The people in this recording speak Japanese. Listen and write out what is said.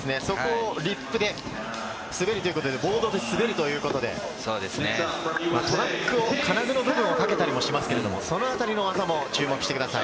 ５リップで滑るということで、ボードで滑るということで、トラックを金具の部分をかけたりもしますが、このあたりの技も注目してください。